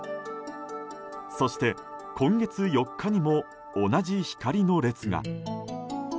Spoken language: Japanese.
そして今月４日にも同じ光の列が。